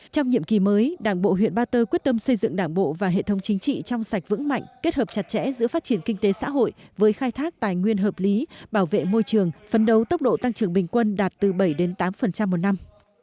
trong nhiệm kỳ mới đảng bộ huyện ba tơ quyết tâm xây dựng đảng bộ và hệ thống chính trị trong sạch vững mạnh kết hợp chặt chẽ giữa phát triển kinh tế xã hội với khai thác tài nguyên hợp lý bảo vệ môi trường phấn đấu tốc độ tăng trưởng bình quân đạt từ bảy tám một năm